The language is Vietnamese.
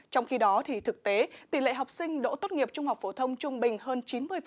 trong khi đó thực tế tỷ lệ học sinh đỗ tốt nghiệp trung học phổ thông trung bình hơn chín mươi